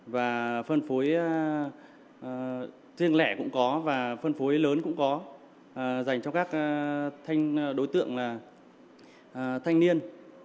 và phân phối riêng lẻ cũng có và phân phối lớn cũng có dành cho các đối tượng thanh niên